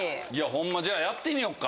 ホンマじゃやってみよっか。